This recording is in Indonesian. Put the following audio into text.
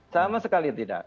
sama sekali tidak